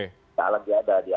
tidak lagi ada diatur